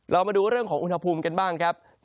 เรามาดูเรื่องของอุณหภูมิกันบ้างครับ